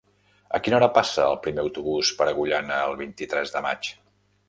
A quina hora passa el primer autobús per Agullana el vint-i-tres de maig?